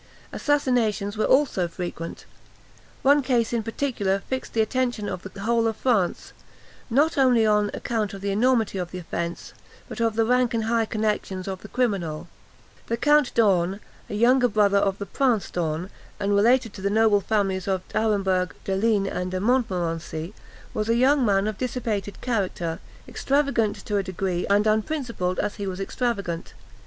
Assassinations were also frequent. One case in particular fixed the attention of the whole of France, not only on account of the enormity of the offence, but of the rank and high connexions of the criminal. The Count d'Horn, a younger brother of the Prince d'Horn, and related to the noble families of D'Aremberg, De Ligne, and De Montmorency, was a young man of dissipated character, extravagant to a degree, and unprincipled as he was extravagant.